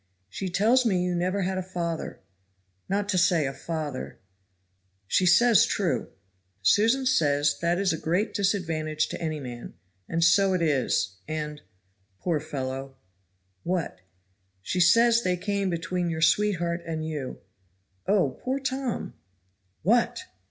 "She tells me you never had a father, not to say a father " "She says true." "Susan says that is a great disadvantage to any man, and so it is and poor fellow " "What?" "She says they came between your sweetheart and you Oh! poor Tom!" "What?"